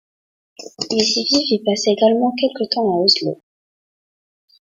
Ils y vivent et passent également quelque temps à Oslo.